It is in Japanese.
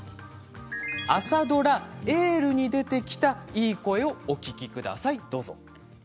朝ドラ「エール」に出てきたいい声をお聞きください。